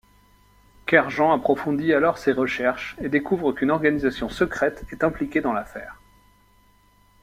Kerjean approfondit alors ses recherches et découvre qu'une organisation secrète est impliquée dans l'affaire.